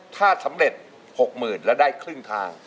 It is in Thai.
ถ้าสำเร็จ๖๐๐๐แล้วได้ครึ่งทาง